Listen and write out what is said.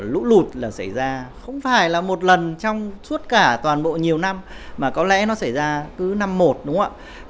lũ lụt xảy ra không phải là một lần trong suốt cả toàn bộ nhiều năm mà có lẽ nó xảy ra cứ năm một đúng không ạ